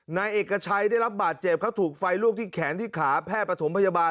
นายเอกชัยได้รับบาดเจ็บเขาถูกไฟลวกที่แขนที่ขาแพทย์ประถมพยาบาล